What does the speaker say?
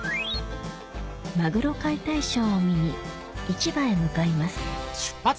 マグロ解体ショーを見に市場へ向かいます